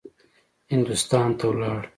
هندوستان ته ولاړ.